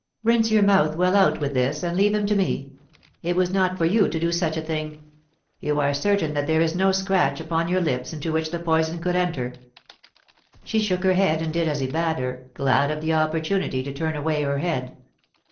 * Rinse your mouth well out with this, and leave him to me. It was not for you to do such a thing. You are certain that there is no scratch upon your lips into which the poison could enter ?' She shook her head and did as he bade her, glad of the opportunity to turn away her head.